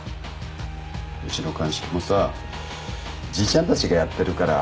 うちの鑑識もさじいちゃんたちがやってるからしゃあねえんだ。